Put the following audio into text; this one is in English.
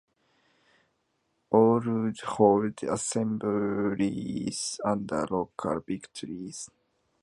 All would hold assemblies under local big trees.